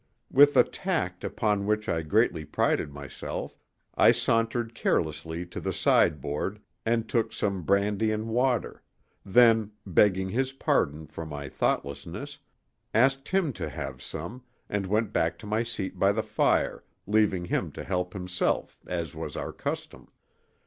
With a tact upon which I greatly prided myself, I sauntered carelessly to the sideboard and took some brandy and water; then, begging his pardon for my thoughtlessness, asked him to have some and went back to my seat by the fire, leaving him to help himself, as was our custom.